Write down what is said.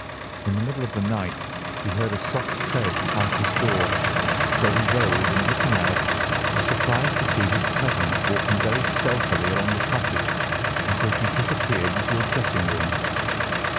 In the middle of the night he heard a soft tread pass his door, so he rose and, looking out, was surprised to see his cousin walking very stealthily along the passage until she disappeared into your dressing room.